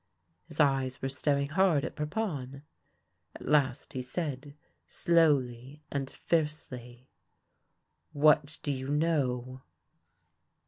His eyes were staring hard at Parpon. At last he said slowly and fiercely :" What do you know